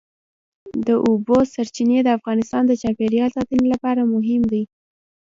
د اوبو سرچینې د افغانستان د چاپیریال ساتنې لپاره مهم دي.